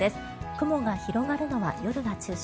雲が広がるのは夜が中心。